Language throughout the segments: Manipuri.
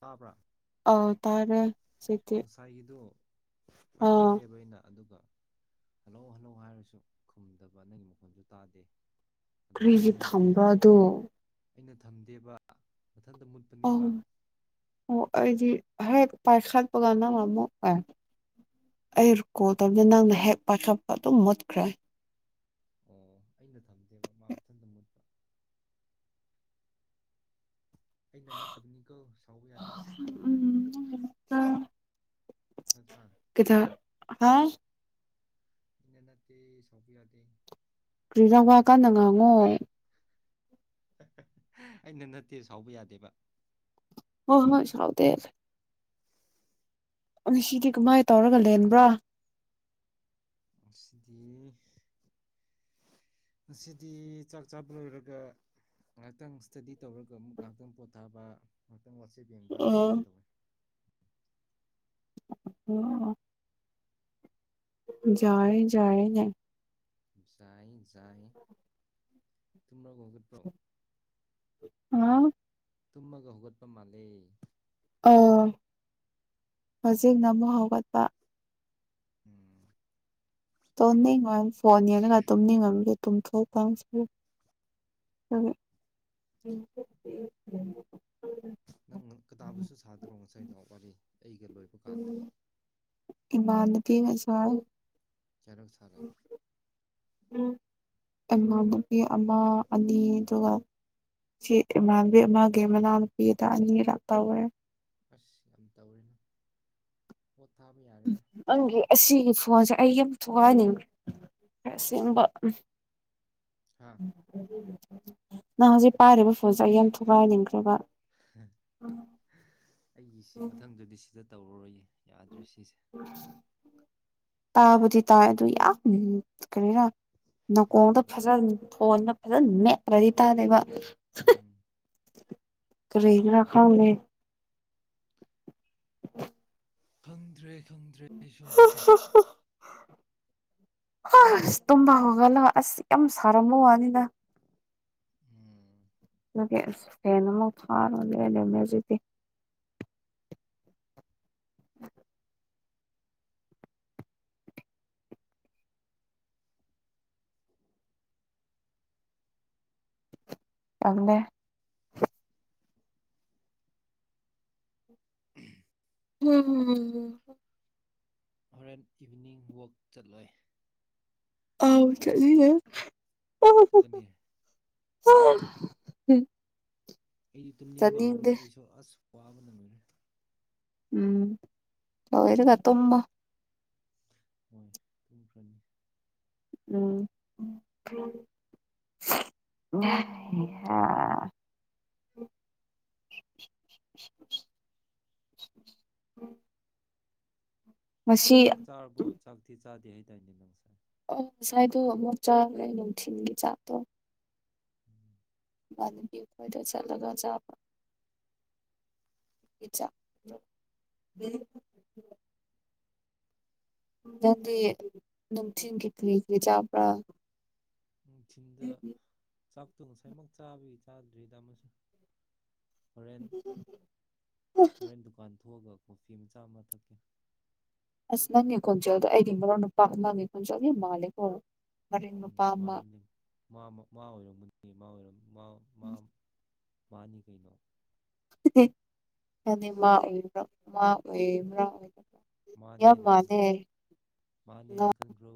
ꯇꯕ꯭ꯔꯥ ꯑꯥ ꯇꯔꯦ ꯖꯤꯛꯇꯤ ꯁꯥꯏꯒꯤꯗꯣ ꯄꯥꯏꯈꯠꯂꯦꯕ ꯑꯩꯅ ꯑꯗꯨꯒ ꯍꯜꯂꯧ ꯍꯜꯂꯧ ꯍꯥꯏꯔꯁꯨ ꯈꯨꯝꯗꯕ ꯅꯪꯒꯤ ꯃꯈꯣꯟꯁꯨ ꯇꯥꯗꯦ ꯑꯗꯨꯝ ꯀꯔꯤꯒꯤ ꯃꯊꯟꯗ ꯃꯨꯠꯈ꯭ꯔꯦ ꯊꯝꯕ꯭ꯔꯥ ꯑꯗꯨ ꯑꯩꯅ ꯊꯝꯗꯦꯕ ꯃꯊꯟꯗ ꯃꯨꯠ ꯑꯧ ꯑꯣ ꯑꯩꯗꯤ ꯍꯦꯛ ꯄꯥꯏꯈꯠꯄꯒ ꯅꯪ ꯑꯃꯨꯛ ꯑꯦ ꯑꯩꯔꯨ ꯀꯣꯜ ꯇꯧꯕꯗ ꯅꯪꯅ ꯍꯦꯛ ꯄꯥꯏꯈꯠꯄ ꯑꯗꯨꯝ ꯃꯨꯠꯈ꯭ꯔꯦ ꯑꯣ ꯑꯩꯅ ꯊꯝꯗꯦꯕ ꯃꯥ ꯃꯊꯟꯗ ꯃꯨꯠꯄ ꯑꯩꯅ ꯅꯠꯇꯕꯅꯤꯀꯣ ꯁꯥꯎꯕ ꯌꯥꯗꯦ [unintelligible] ꯅꯠꯇ꯭ꯔꯥ ꯀꯩꯗ ꯍꯥ ꯏꯅ ꯅꯠꯇꯦ ꯁꯥꯎꯕ ꯌꯥꯗꯦ ꯀꯔꯤꯔꯥ ꯋꯥ ꯀꯟꯅ ꯉꯥꯡꯉꯣ ꯑꯩꯅ ꯅꯠꯇꯦ ꯁꯥꯎꯕ ꯌꯥꯗꯦꯕ ꯍꯣ ꯍꯣꯏ ꯁꯥꯎꯗꯦ [inaudible] ꯉꯁꯤꯗꯤ ꯀꯃꯥꯏ ꯇꯧꯔꯒꯥ ꯂꯦꯟꯕ꯭ꯔꯥ ꯉꯁꯤꯗꯤ ꯉꯁꯤꯗꯤ ꯆꯥꯛ ꯆꯥꯕ ꯂꯣꯏꯔꯒꯥ ꯉꯥꯏꯍꯥꯛꯇꯪ ꯏꯁ꯭ꯇꯗꯤ ꯇꯧꯔꯒꯥ ꯑꯃꯨꯛ ꯉꯥꯏꯍꯥꯛꯇꯪ ꯄꯣꯠ ꯊꯥꯕ ꯉꯥꯏꯍꯥꯛꯇꯪ ꯋꯥꯆꯦꯞ ꯌꯦꯡꯕ ꯑꯣ ꯑꯗꯨꯃꯥꯏꯟ ꯇꯧꯕꯅꯦ [unintelligible] ꯖꯥꯔꯦ ꯖꯥꯔꯦꯅꯦ ꯖꯥꯏ ꯖꯥꯏ ꯇꯨꯝꯔꯒꯥ ꯍꯧꯒꯠꯄ꯭ꯔꯣ ꯑꯥ ꯇꯨꯝꯃꯒ ꯍꯧꯒꯠꯄ ꯃꯥꯜꯂꯦ ꯑꯥꯎ ꯍꯧꯖꯤꯛꯅ ꯑꯃꯨꯛ ꯍꯧꯒꯠꯄ ꯎꯝ ꯇꯣꯅꯤꯡꯉꯣꯏ ꯐꯣꯟ ꯌꯦꯡꯂꯒꯥ ꯇꯨꯝꯅꯤꯡꯉꯝꯒꯤ ꯇꯨꯝꯊꯣꯛ [unintelligible] ꯎꯝ [unintelligible] ꯅꯪ ꯅꯪ ꯀꯗꯥꯕꯨꯁꯨ ꯁꯥꯗ꯭ꯔꯣ ꯉꯁꯥꯏꯗꯣ ꯋꯥꯔꯤ ꯑꯩꯒꯥ ꯂꯣꯏꯕ ꯀꯥꯟꯗꯥ ꯏꯃꯥꯅꯕꯤꯒꯥ ꯁꯥꯏ ꯀꯌꯥꯔꯛ ꯁꯥꯔꯦ ꯎꯝ ꯑꯃ ꯅꯨꯄꯤ ꯑꯃ ꯑꯅꯤ ꯗꯨꯒꯥ ꯁꯤ ꯏꯃꯥꯟꯕꯤ ꯑꯃꯒꯦ ꯃꯅꯥꯎꯅꯨꯄꯤꯗꯥ ꯑꯅꯤꯔꯛ ꯇꯥꯎꯔꯦ ꯑꯁ ꯌꯥꯝ ꯇꯧꯔꯦꯅ ꯄꯣꯠ ꯊꯥꯕ ꯌꯥꯔꯦꯗꯥ ꯅꯪꯒꯤ ꯑꯁꯤꯒꯤ ꯐꯣꯟꯁꯦ ꯑꯩ ꯌꯥꯝ ꯊꯨꯒꯥꯏꯅꯤꯡ [inaudible] ꯑꯁꯦꯡꯕ ꯎꯝ [inaudible] ꯍꯥꯥ ꯅꯪ ꯍꯧꯖꯤꯛ ꯄꯥꯏꯔꯤꯕ ꯐꯣꯟꯁꯦ ꯑꯩ ꯌꯥꯝ ꯊꯨꯒꯥꯏꯅꯤꯡꯈ꯭ꯔꯥꯕ ꯍꯥ ꯑꯩꯒꯤ ꯁꯤ ꯃꯊꯪꯗꯗꯤ ꯁꯤꯗꯥ ꯇꯧꯔꯔꯣꯏꯌꯦ ꯌꯥꯗ꯭ꯔꯦ ꯁꯤꯁꯦ ꯇꯥꯕꯗꯤ ꯇꯥꯏ ꯑꯗꯨ ꯌꯥꯝ ꯀꯔꯤꯔꯥ ꯅꯀꯣꯡꯗꯥ ꯂꯦꯝꯕ ꯐꯖꯟ ꯐꯣꯟꯅ ꯐꯖꯟ ꯃꯦꯠꯇ꯭ꯔꯥꯗꯤ ꯇꯥꯗꯦꯕ ꯎꯝ ꯀꯔꯤꯒꯤꯔꯥ ꯈꯪꯅꯦ [inaudible] ꯈꯪꯗ꯭ꯔꯦ ꯈꯪꯗ꯭ꯔꯦ ꯑꯩꯁꯨ ꯑꯗꯨꯗꯤ [unintelligible] ꯑꯁ ꯇꯨꯝꯕ ꯍꯧꯒꯜꯂꯣ ꯑꯁ ꯌꯥꯝ ꯁꯥꯔꯝꯃꯣ ꯋꯥꯅꯤꯅ ꯎꯝ ꯅꯣꯀꯦ ꯑꯁ ꯐꯦꯟ ꯑꯃ ꯐꯔꯒꯦ ꯑꯦꯅꯦꯃꯦꯖꯤꯇꯤ ꯇꯜꯂꯦ [inaudible] ꯎꯝ ꯍꯝ ꯍꯣꯔꯦꯟ ꯏꯚꯤꯅꯤꯡ ꯋꯛ ꯆꯠꯂꯣꯏ ꯑꯥꯎ ꯆꯠꯂꯤꯌꯦ ꯆꯠꯀꯅꯤ [unintelligible] ꯑꯩꯗꯤ ꯇꯨꯝꯅꯤꯡꯕ ꯍꯧꯔꯦ ꯆꯠꯅꯤꯡꯗꯦ ꯑꯩꯁꯨ ꯑꯁ ꯋꯥꯕꯅ ꯂꯣꯏꯔꯦ ꯎꯝ ꯂꯣꯏꯔꯒ ꯊꯨꯝꯃꯣ ꯍꯣꯏ ꯇꯨꯝꯈ꯭ꯔꯅꯤ [unintelligible] [unintelligible] [unintelligible] ꯉꯁꯤ ꯆꯥꯛ ꯆꯥꯔꯕꯣ ꯆꯥꯛꯇꯤ ꯆꯥꯗꯤ ꯍꯥꯏꯗꯥꯏꯅꯦ ꯅꯪꯁꯦ ꯑꯣ ꯉꯁꯥꯏꯗꯣ ꯑꯃꯨꯛ ꯆꯥꯈ꯭ꯔꯦ ꯅꯨꯡꯊꯤꯟꯒꯤ ꯆꯥꯛꯇꯣ [inaudible] ꯏꯃꯟꯕꯤ ꯈꯣꯏꯗ ꯆꯠꯂꯒ ꯆꯥꯕ [unintelligible] [inaudible] ꯅꯪꯗꯤ ꯅꯨꯡꯊꯤꯟꯒꯤ ꯀ꯭ꯔꯤ ꯀ꯭ꯔꯤ ꯆꯥꯕ꯭ꯔꯥ ꯅꯨꯡꯊꯤꯟꯗ ꯆꯥꯛꯇꯣ ꯉꯁꯥꯏꯃꯨꯛ ꯆꯥꯕꯒꯤ ꯆꯥꯗ꯭ꯔꯤꯗ ꯑꯃꯁꯨ ꯍꯣꯔꯦꯟ ꯍꯣꯔꯦꯟ ꯗꯨꯀꯥꯟ ꯊꯣꯛꯑꯒ ꯀꯣꯐꯤ ꯃꯆꯥ ꯑꯃ ꯊꯛꯀꯦ ꯑꯁ ꯅꯪꯉꯦ ꯈꯣꯟꯆꯦꯜꯗꯣ ꯑꯩꯗꯤ ꯃꯔ ꯅꯨꯄꯥ ꯑꯃꯒꯤ ꯈꯣꯟꯆꯦꯜ ꯌꯥꯝ ꯃꯥꯂꯦꯀꯣ ꯎꯝ ꯃꯥꯟꯕꯅꯦ ꯃꯥꯃ ꯃꯥ ꯑꯣꯏꯔꯝꯒꯅꯤ ꯃꯥꯑꯣꯏꯔꯝ ꯃꯥꯝ ꯃꯥꯝ ꯃꯥꯅꯤ ꯀꯩꯅꯣ ꯍꯅꯤ ꯃꯥ ꯑꯣꯏꯕ꯭ꯔꯥ ꯃꯥ ꯑꯣꯏꯕ꯭ꯔ ꯑꯣꯏꯗꯕ꯭ꯔ ꯃꯥꯅꯦꯅ ꯈꯟꯈ꯭ꯔꯣ ꯃꯥꯅꯦ ꯍꯥꯏꯅ ꯈꯟꯈ꯭ꯔꯣ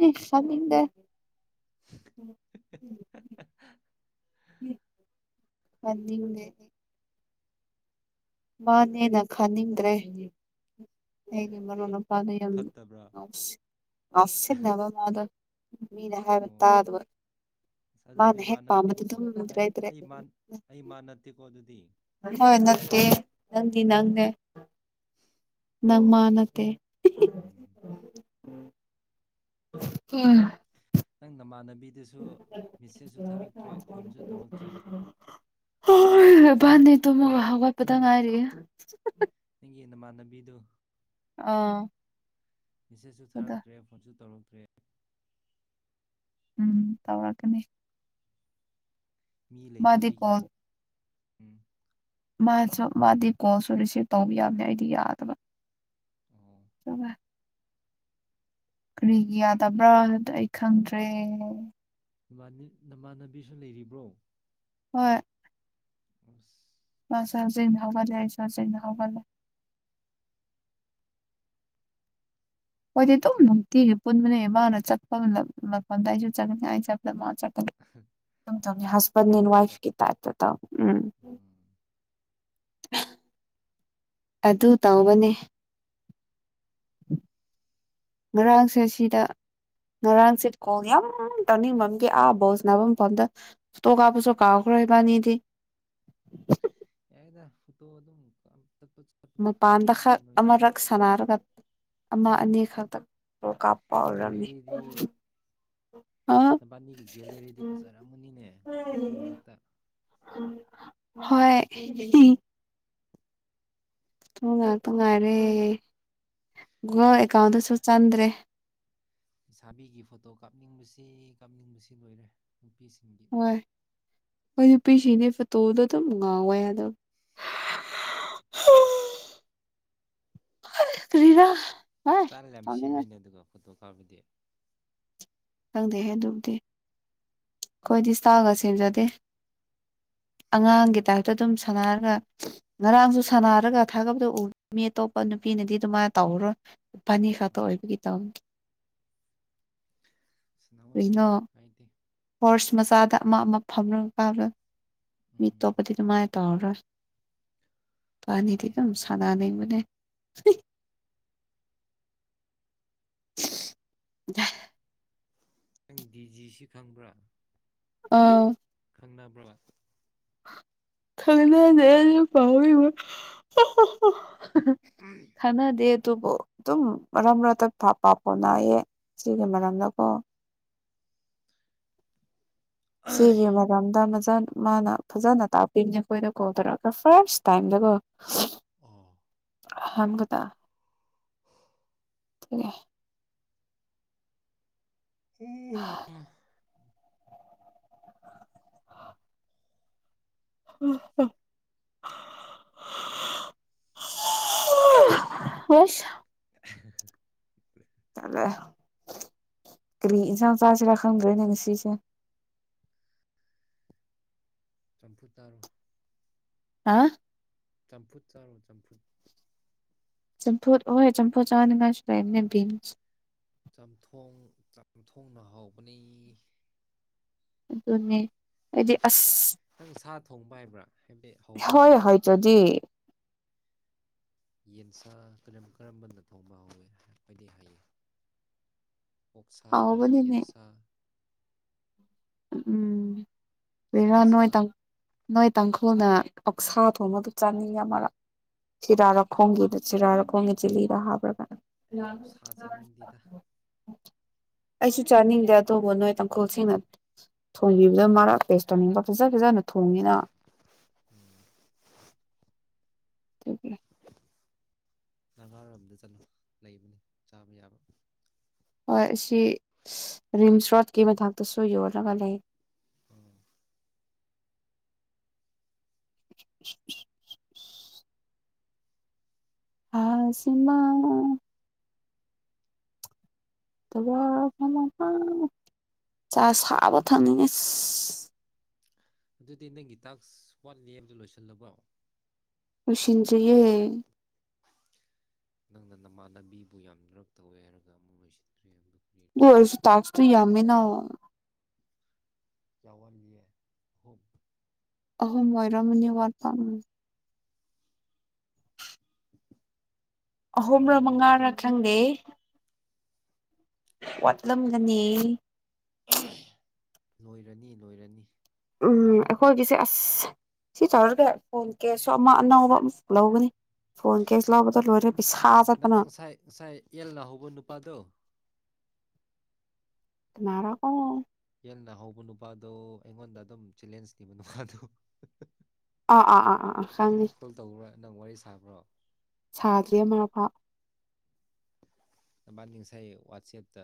ꯅꯦ ꯁꯠꯅꯤꯡꯗꯦ [inaudible] ꯈꯟꯅꯤꯡꯗꯦ ꯑꯩ ꯃꯥꯅꯦꯅ ꯈꯟꯅꯤꯡꯗ꯭ꯔꯦ ꯑꯩꯗꯤ ꯃꯔꯨꯞ ꯅꯨꯃꯄꯥꯗꯣ ꯌꯥꯝ ꯐꯠꯇꯕ꯭ꯔꯥ ꯉꯥꯎꯁ ꯉꯥꯎꯁꯤꯟꯅꯕ ꯃꯗꯣ ꯃꯤꯅ ꯍꯥꯏꯕ ꯑꯣ ꯇꯥꯗꯕ ꯑꯁ ꯃꯥꯅ ꯑꯗꯨꯗꯤ ꯃꯥ ꯍꯦꯛ ꯄꯥꯝꯃꯗꯤ ꯅꯠꯇꯦꯀꯣ ꯑꯗꯨꯝ ꯑꯩ ꯗ꯭ꯔꯦꯛ ꯗ꯭ꯔꯦꯛ ꯑꯩ ꯃꯥ ꯑꯩ ꯃꯥ ꯅꯠꯇꯦꯀꯣ ꯑꯗꯨꯗꯤ ꯍꯣꯏ ꯅꯠꯇꯦ ꯅꯪꯗꯤ ꯎꯝ ꯅꯪꯅꯦ ꯅꯪ ꯃꯥ ꯅꯠꯇꯦ ꯎꯝ [unintelligible] ꯅꯪ ꯅꯃꯥꯟꯅꯕꯤꯗꯨꯁꯨ ꯃꯦꯁꯦꯖꯁꯨ ꯊꯥꯔꯛꯇ꯭ꯔꯦ ꯐꯣꯟꯁꯨ ꯇꯧꯔꯛꯇ꯭ꯔꯦ ꯍꯣꯏ ꯏꯕꯥꯥꯟꯅꯦ ꯇꯨꯝꯃꯒ ꯍꯧꯒꯠꯄꯗ ꯉꯥꯏꯔꯤꯌꯦ ꯅꯪꯒꯤ ꯅꯃꯥꯟꯅꯕꯤꯗꯨ ꯑꯥ ꯑꯗ ꯃꯦꯁꯦꯖꯁꯨꯊꯥꯔꯛꯇ꯭ꯔꯦ ꯐꯣꯟꯁꯨ ꯇꯧꯔꯛꯇ꯭ꯔꯦ ꯎꯝ ꯇꯧꯔꯛꯀꯅꯤ ꯃꯤ ꯃꯥꯗꯤ ꯂꯩꯇꯕꯒꯤ ꯀꯣꯜ ꯎꯝ ꯃꯥꯁꯨ ꯃꯥꯗꯤ ꯀꯣꯜꯁꯨ ꯔꯤꯁꯤꯞ ꯇꯧꯕ ꯌꯥꯕꯅꯦ ꯑꯩꯗꯤ ꯌꯥꯗꯕ ꯑꯣ [unintelligible] ꯀꯔꯤꯒꯤ ꯌꯥꯗꯕ꯭ꯔꯥ ꯍꯥꯏꯕꯗꯣ ꯑꯩ ꯈꯪꯗ꯭ꯔꯦ ꯅꯃꯥꯟꯅꯕꯤꯁꯨ ꯂꯩꯔꯤꯕ꯭ꯔꯣ ꯍꯣꯏ ꯑꯁ ꯃꯥꯁꯨ ꯍꯧꯖꯤꯟ ꯍꯧꯒꯠꯂꯦ ꯑꯩꯁꯨ ꯍꯧꯖꯤꯟ ꯍꯧꯒꯠꯂꯦ ꯍꯣꯏꯗꯤ ꯑꯗꯨꯝ ꯅꯨꯡꯇꯤꯒꯤ ꯄꯨꯟꯕꯅꯦ ꯃꯥꯅ ꯆꯠꯄ ꯃꯐꯝꯗ ꯑꯩꯁꯨ ꯆꯠꯄꯅꯦ ꯑꯩꯁꯨ ꯆꯠꯄ ꯃꯥ [unintelligible] ꯊꯥꯗꯣꯛꯄ ꯍꯁꯕꯟ ꯑꯦꯟ ꯌꯥꯗꯕ ꯋꯥꯏꯐꯀꯤ [unintelligible] ꯎꯝ ꯑꯗꯨ ꯇꯧꯕꯅꯦ ꯉꯔꯥꯡꯁꯦ ꯁꯤꯗ ꯉꯔꯥꯡꯁꯦ [unintelligible] ꯑꯥ ꯕꯣꯜ ꯁꯅꯥꯐꯝ ꯐꯥꯎꯗ ꯐꯣꯇꯣ ꯀꯥꯞꯄꯁꯨ ꯀꯥꯎꯈꯔ꯭ꯦ ꯏꯕꯅꯤꯗꯤ ꯌꯥꯏ ꯐꯣꯇꯣ ꯑꯗꯨꯝ [inaudible] ꯃꯄꯥꯟꯗꯥ ꯀꯥꯞꯄꯤ ꯈꯛ ꯅꯣꯏꯁꯦ ꯑꯃꯔꯛ ꯁꯥꯟꯅꯔꯒ ꯑꯃ ꯑꯅꯤ ꯈꯛꯇ ꯐꯣꯇꯣ ꯀꯥꯞꯄ ꯑꯣꯏꯔꯝꯅꯤ꯫ ꯒꯦꯂꯦꯔꯤꯗꯤ ꯑ ꯅꯕꯥꯅꯤꯒꯤ ꯒꯦꯂꯦꯔꯤꯗꯤ ꯐꯖꯔꯝꯃꯅꯤꯅꯦ ꯐꯣꯇꯣ ꯉꯥꯛꯇ ꯍꯣꯢ ꯐꯣꯇꯣ ꯉꯥꯛꯇ ꯉꯥꯏꯔꯦ ꯒꯨꯒꯜ ꯑꯦꯀꯥꯎꯟꯗꯁꯨ ꯆꯥꯟꯗ꯭ꯔꯦ ꯂꯩꯥꯁꯕꯤꯒꯤ ꯐꯣꯇꯣ ꯀꯥꯞꯅꯤꯡꯕꯁꯤ ꯀꯥꯞꯅꯤꯡꯕꯁꯤ ꯂꯣꯏꯔꯦ ꯅꯨꯄꯤꯁꯤꯡꯒꯤ ꯍꯣꯏ ꯑꯩꯈꯣꯏ ꯅꯨꯄꯤꯁꯤꯡꯗꯤ ꯐꯣꯇꯣꯗ ꯑꯗꯨꯝ ꯉꯥꯎꯋꯦ ꯑꯗꯨꯝ [unintelligible] ꯀꯔꯤꯔꯥ ꯍꯥꯏ ꯁꯇ꯭ ꯏꯜ ꯌꯥꯝ ꯁꯥꯎꯅꯤꯡꯉꯦ ꯁꯦꯝꯃꯤꯅꯦ ꯑꯗꯨꯒ ꯐꯣꯇꯣ ꯀꯥꯞꯄꯗꯤ ꯈꯪꯗꯦꯍꯦ ꯑꯗꯨꯕꯨꯗꯤ ꯑꯩꯈꯣꯏꯗꯤ ꯏꯁꯇꯥꯜ ꯒ ꯁꯦꯝꯖꯗꯦ ꯑꯉꯥꯡꯒꯤ ꯇꯥꯏꯞꯇ ꯑꯗꯨꯝ ꯁꯥꯟꯅꯔꯒ ꯉꯔꯥꯡꯁꯨ ꯁꯥꯟꯅꯔꯒ ꯊꯥꯒꯠꯄꯗꯨ ꯎ ꯃꯤ ꯑꯇꯣꯞꯄ ꯅꯨꯄꯤꯅꯗꯤ ꯑꯗꯨꯃꯥꯏꯅ ꯇꯧꯔꯔꯣꯏ ꯏꯕꯥꯅꯤ ꯈꯛꯇ ꯎꯝ ꯑꯣꯏꯕꯒꯤ ꯇꯧ ꯁꯅꯥꯎ ꯀꯔꯤꯅꯣ ꯁꯅꯥꯎ ꯀꯥꯏꯗꯦ꯫ ꯍꯣꯔꯁ ꯃꯆꯥꯗ ꯑꯃ ꯑꯃ ꯐꯝꯅꯕ ꯀꯥꯕ ꯃꯤ ꯎꯝ ꯑꯇꯣꯞꯄꯗꯤ ꯑꯗꯨꯃꯥꯏ ꯇꯧꯔꯣꯏ ꯏꯕꯅꯤꯗꯤ ꯑꯗꯨꯝ ꯁꯟꯅꯅꯤꯡꯕꯅꯦ [unintelligible] ꯅꯪ ꯗꯤꯖꯤꯁꯤ ꯈꯪꯕ꯭ꯔꯥ ꯑꯥ ꯈꯪꯅꯕ꯭ꯔꯣ ꯈꯪꯗꯅꯦ [unintelligible] [unintelligible] ꯈꯪꯅꯗꯦ ꯑꯗꯨꯕꯨ ꯑꯗꯨꯝ ꯃꯔꯛ ꯃꯔꯛꯇ [unintelligible] ꯏꯆꯦꯒꯤ ꯎꯝ ꯃꯔꯝꯗꯀꯣ ꯏꯆꯦꯒꯤ ꯃꯝꯗ ꯃꯆꯥ ꯃꯥꯅ ꯐꯖꯅ ꯇꯥꯛꯄꯤꯕꯅꯦ ꯑꯩꯈꯣꯏꯗ ꯀꯣꯜ ꯇꯧꯔꯛꯑꯒ ꯐꯥꯔꯁ ꯇꯥꯏꯝꯗꯀꯣ ꯑꯥ ꯑꯍꯥꯟꯕꯗ [inaudible] [inaudible] [unintelligible] [unintelligible] ꯍꯜꯂꯛꯑꯦ ꯀꯔꯤ ꯏꯟꯁꯥꯡ‌‌ ꯆꯥꯁꯤꯔꯥ ꯈꯪꯗ꯭ꯔꯦꯅꯦ ꯉꯁꯤꯁꯦ ꯆꯝꯐꯨꯠ ꯆꯥꯔꯣ ꯍꯥꯥ ꯆꯝꯐꯨꯠ ꯆꯥꯔꯣ ꯆꯝꯐꯨꯠ ꯆꯝꯐꯨꯠ ꯍꯣꯏ ꯆꯝꯐꯨꯠ ꯆꯥꯅꯤꯉꯥꯏꯁꯨ ꯂꯩꯕꯅꯦ ꯕꯤꯟꯁ ꯆꯝꯊꯣꯡ ꯆꯝꯊꯣꯡꯅ ꯍꯥꯎꯕꯅꯤ ꯑꯗꯨꯅꯦ ꯑꯩꯗꯤ ꯑꯁ ꯅꯪ ꯁꯥ ꯊꯣꯡꯕ ꯍꯩꯕ꯭ꯔꯥ ꯍꯥꯏꯕꯗꯤ ꯍꯥꯎꯕ꯭ꯔꯕ ꯍꯣꯏ ꯅꯪꯅ ꯍꯥꯏꯗ꯭ꯔꯗꯤ ꯊꯣꯡꯕꯁꯦ ꯌꯦꯟꯁꯥ ꯀꯔꯝ ꯀꯔꯝꯕꯅ ꯊꯣꯡꯕ ꯍꯧꯋꯏ ꯍꯥꯏꯗꯤ ꯍꯥꯏꯌꯦ ꯑꯣꯛꯁꯥ ꯍꯥꯎꯕꯅꯤꯅꯦ ꯌꯦꯟꯁꯥ ꯎꯝ [unintelligible] ꯁꯟꯁꯥ ꯅꯣꯏ ꯇꯥꯡ ꯅꯣꯏ ꯇꯥꯡꯈꯨꯜꯅ ꯑꯧꯁꯥ ꯊꯣꯡꯕꯗꯨ ꯆꯥꯅꯤꯡꯉ ꯃꯔꯛ ꯆꯔꯥꯔꯈꯣꯡꯒꯤꯗ ꯆꯔꯥꯔꯈꯣꯡꯒꯤ ꯆꯤꯂꯤꯗꯣ ꯍꯥꯞꯔꯒ ꯑꯩ ꯑꯣꯛꯁꯥ ꯆꯥꯅꯤꯡꯗꯦꯗ ꯑꯩꯁꯨ ꯆꯥꯅꯤꯡꯗꯦ ꯑꯗꯨꯕꯨ ꯅꯣꯏ ꯇꯥꯡꯈꯨꯜꯁꯤꯡꯅ ꯎꯝ ꯊꯣꯏꯕꯤꯗꯨ ꯃꯔꯥꯛ ꯇꯦꯁ ꯇꯧꯅꯤꯡꯕ ꯐꯖ ꯐꯖꯅ ꯊꯣꯡꯉꯤꯅ [unintelligible] ꯑꯗꯨꯒꯤ ꯅꯒꯥꯔꯣꯝꯗ ꯆꯠꯂꯣ ꯂꯩꯕꯅꯦ ꯆꯥꯕ ꯌꯥꯕ ꯍꯣꯏ ꯑꯁꯤ ꯔꯤꯝꯁ ꯔꯣꯗꯀꯤ ꯃꯊꯛꯇꯁꯨ ꯌꯣꯜꯂꯒ ꯂꯩ ꯑ [unintelligible] ꯑꯥ ꯁꯤꯃꯥ [unintelligible] ꯆꯥ ꯁꯥꯕ ꯊꯪꯅꯤꯡꯅꯦ ꯑꯗꯨꯗꯤ ꯅꯪꯒꯤ ꯇꯥꯛꯁ ꯋꯥꯠꯂꯤ ꯍꯥꯏꯕꯗꯨ ꯂꯣꯏꯁꯤꯜꯂꯕꯣ ꯂꯣꯏꯁꯤꯟꯗ꯭ꯔꯤꯌꯦ ꯅꯪꯅ ꯅꯃꯥꯟꯅꯕꯤꯕꯨ ꯌꯥꯝ ꯔꯛ ꯇꯧꯋꯦ ꯍꯥꯏꯔꯒ ꯑꯃꯨꯛ ꯂꯣꯏꯁꯤꯟꯈ꯭ꯔꯦ ꯍꯥꯏꯕꯗꯨ ꯑꯗꯨ ꯑꯣꯏꯔꯁꯨ ꯇꯥꯛꯁꯨ ꯌꯥꯝꯃꯤꯅ ꯀꯌꯥ ꯋꯥꯠꯂꯤꯌꯦ [unintelligible] ꯑꯍꯨꯝ ꯑꯣꯏꯔꯝꯃꯅꯤ ꯋꯥꯠꯄ ꯎꯝ [unintelligible] ꯑꯍꯨꯝꯔ ꯂꯣꯏꯔꯅꯤꯗ ꯃꯉꯥꯔ ꯈꯪꯗꯦ ꯋꯥꯠꯂꯝꯒꯅꯤ ꯂꯣꯏꯔꯅꯤ ꯂꯣꯏꯔꯅꯤ ꯎꯝ ꯑꯩꯈꯣꯏꯒꯤꯁꯦ ꯑꯁ ꯁꯤ ꯇꯧꯔꯒꯥ ꯐꯣꯟ ꯀꯦꯁꯨ ꯑꯃ ꯑꯅꯧꯕ ꯑꯃ ꯑꯃꯨꯛ ꯂꯧꯒꯅꯤ ꯐꯣꯟ ꯀꯦꯁꯨ ꯂꯧꯕꯗ ꯂꯣꯏꯔꯦ ꯄꯩꯁꯥ ꯅꯪ ꯆꯠꯄꯅ ꯉꯁꯥꯏ ꯉꯁꯥꯏ ꯑꯦꯜꯅ ꯍꯧꯕ ꯅꯨꯄꯥꯗꯣ ꯀꯅꯥꯔꯥ ꯑꯣ ꯑꯦꯜꯅ ꯍꯧꯕ ꯅꯨꯄꯥꯗꯣ ꯑꯩꯉꯣꯟꯗ ꯑꯗꯨꯝ ꯆꯦꯂꯦꯟꯖ ꯅꯤꯕ ꯅꯨꯄꯥꯗꯨ ꯑ ꯑꯥ ꯑ ꯑ ꯑ ꯈꯪꯏ ꯀꯣꯜ ꯇꯧꯕ꯭ꯔꯥ ꯅꯪ ꯋꯥꯔꯤ ꯁꯥꯕ꯭ꯔꯣ ꯁꯥꯗ꯭ꯔꯤꯌꯦ ꯑꯃꯔꯛ ꯐꯥꯎ ꯅꯕꯥꯅꯤ ꯉꯥꯁꯥꯏ ꯋꯥꯆꯦꯞꯇ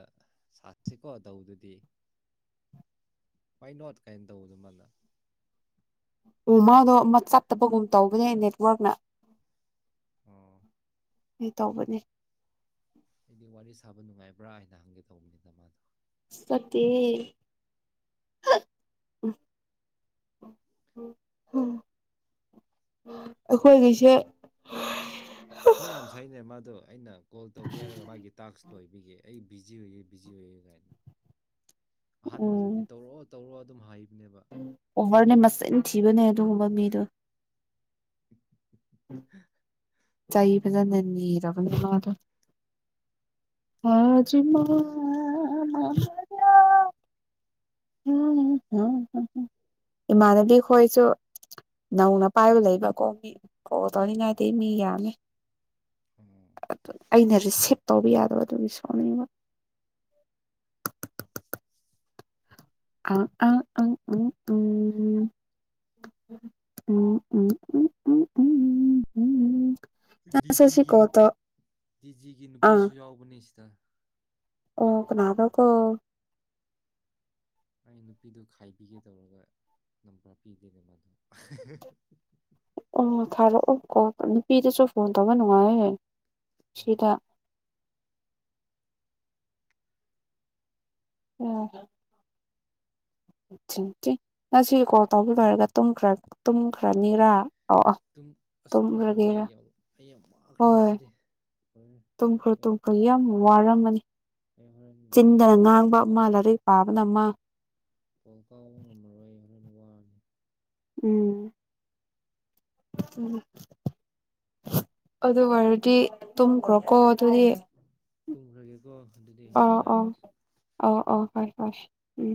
ꯁꯥꯁꯤꯀꯣ ꯇꯧꯕꯗꯨꯗꯤ ꯍꯋꯥꯏ ꯅꯣꯠ ꯀꯥꯏꯅ ꯇꯧꯕꯗꯨ ꯃꯥꯅ ꯑꯣ ꯃꯥꯗꯣ ꯑꯃ ꯆꯠꯇꯕꯒꯨꯝ ꯇꯧꯕꯅꯦ ꯅꯦꯠꯋꯔꯛꯅ ꯑꯣ ꯑꯩ ꯇꯧꯕꯅꯦ ꯑꯩꯗꯤ ꯋꯥꯔꯤ ꯁꯥꯕ ꯅꯨꯡꯉꯥꯏꯕ꯭ꯔꯥ ꯍꯥꯏꯅ ꯍꯪꯒꯦ ꯇꯧꯕꯅꯤꯅ ꯃꯥꯗꯣ ꯆꯠꯇꯦ ꯎꯝ ꯑꯩꯈꯣꯏꯒꯤꯁꯦ ꯐꯣ ꯌꯥꯝ ꯁꯥꯏꯅꯦ ꯃꯥꯗꯣ ꯑꯩꯅ ꯀꯣꯜ ꯇꯧꯒꯦ ꯍꯥꯏꯔꯒ ꯃꯥꯒꯤ ꯇꯥꯛꯁ ꯂꯣꯏꯕꯤꯒꯦ ꯑꯩ ꯕꯤꯖꯤ ꯑꯣꯏꯒꯦ ꯕꯤꯖꯤ ꯑꯣꯏꯒꯦ ꯀꯥꯏꯅ ꯎꯝ ꯑꯍꯥꯟꯕꯗꯗꯤ ꯇꯧꯔꯛꯑꯣ ꯇꯧꯔꯣ ꯑꯗꯨꯝ ꯍꯥꯏꯕꯅꯦꯕ ꯑꯣꯚꯔꯅꯦ ꯃꯆꯤꯟ ꯊꯤꯕꯅꯦ ꯑꯗꯨꯒꯨꯝꯕ ꯃꯤꯗꯣ ꯆꯩ ꯐꯖꯅ ꯅꯤꯔꯕꯅꯦ ꯃꯥꯗꯣ ꯐꯥꯖꯤꯃꯥ [unintelligible] ꯏꯃꯥꯟꯅꯕꯤ ꯈꯣꯏꯁꯨ ꯅꯧꯅ ꯄꯥꯏꯕ ꯂꯩꯕꯀꯣ ꯒꯤ ꯀꯣꯜ ꯎꯝ ꯇꯧꯅꯤꯉꯥꯏꯗꯤ ꯃꯤ ꯌꯥꯃꯦ ꯑꯣ [unintelligible] ꯑꯩꯅ ꯔꯤꯁꯤꯞ ꯇꯧꯕ ꯌꯥꯗꯕ ꯑꯗꯨꯒꯤ ꯁꯥꯎꯅꯤꯡꯕ [inaudible] ꯑ ꯑ ꯑꯪ ꯑꯪ ꯑꯪ ꯎꯝ ꯎꯝ ꯎꯝ ꯎꯝ ꯎꯝ ꯎꯝ ꯎꯝ ꯎ ꯗꯤꯖꯤꯒꯤ ꯅꯨꯞ ꯗꯤꯖꯤꯒꯤ ꯑꯥ ꯅꯨꯄꯤꯁꯨ ꯌꯥꯎꯕꯅꯦ ꯁꯤꯗ ꯑꯣ ꯃꯥꯒꯤ ꯀꯅꯥꯗꯣ ꯀꯣꯜꯗꯣ ꯀꯣ ꯑꯩ ꯅꯨꯄꯤꯗꯨ ꯈꯥꯏꯕꯤꯒꯦ ꯇꯧꯔꯒ ꯅꯝꯕꯔ ꯄꯤꯗꯣꯗ ꯃꯗꯣ [unintelligible] ꯑꯣ ꯊꯥꯔꯛꯑꯣ ꯀꯣ ꯅꯨꯄꯤꯗꯁꯨ ꯐꯣꯟ ꯇꯧꯕ ꯅꯨꯡꯉꯥꯏꯌꯦ ꯎꯝ ꯁꯤꯗ ꯎꯝ ꯗꯤꯡꯆꯦ ꯉꯁꯤ ꯀꯣꯜ ꯇꯧꯕ ꯂꯣꯏꯔꯒ ꯇꯨꯝꯈ꯭ꯔꯅꯤꯔꯥ ꯑꯣ ꯑꯣ ꯇꯨꯝ ꯑꯁ ꯇꯨꯝꯈ꯭ꯔꯒꯦ ꯑꯩꯩ ꯌꯥꯝ ꯑꯩ ꯌꯥꯝ ꯋꯥꯈ꯭ꯔꯦ ꯍꯣꯏ ꯉꯁꯤꯗꯤ ꯍꯣꯔꯦꯟ ꯇꯨꯝꯈ꯭ꯔꯣ ꯇꯨꯝꯈ꯭ꯔꯣ ꯌꯥꯝ ꯋꯥꯔꯝꯃꯅꯤ ꯑꯩ ꯍꯣꯔꯦꯟ ꯕꯣꯜ ꯆꯤꯟꯗꯅ ꯀꯥꯎ ꯉꯥꯡꯕ ꯑꯃ ꯂꯥꯏꯔꯤꯛ ꯄꯥꯕꯅ ꯑꯃ ꯄꯣꯜ ꯀꯥꯎꯕ ꯉꯝꯃꯔꯣꯏ ꯑꯩ ꯍꯣꯔꯦꯟ ꯋꯥꯅꯤ ꯎꯝ ꯎꯝ [unintelligible] ꯑꯗꯨ ꯋꯥꯔꯗꯤ ꯇꯨꯝꯈ꯭ꯔꯣ ꯀꯣ ꯑꯗꯨꯗꯤ ꯇꯨꯝꯈ꯭ꯔꯒꯦꯀꯣ ꯑꯗꯨꯗꯤ ꯑ ꯒꯨꯗ ꯑ ꯅꯥꯏꯠ ꯑꯣ ꯑꯣ ꯕꯥꯏ ꯕꯥꯏ ꯎꯝ